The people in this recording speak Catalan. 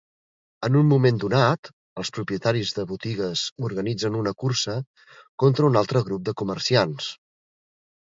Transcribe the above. En un moment donat, els propietaris de botigues organitzen una cursa contra un altre grup de comerciants.